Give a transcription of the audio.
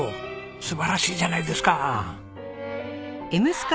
素晴らしいじゃないですか。